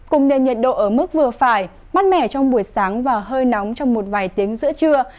cùng nền nhiệt độ ở mức vừa phải mát mẻ trong buổi sáng và hơi nóng trong một vài tiếng giữa trưa